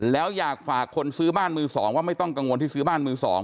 แล้วอยากฝากคนซื้อบ้านมือ๒ว่าไม่ต้องกังวลที่ซื้อบ้านมือ๒